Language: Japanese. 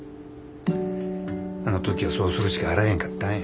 あの時はそうするしかあらへんかったんや。